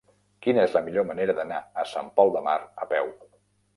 Quina és la millor manera d'anar a Sant Pol de Mar a peu?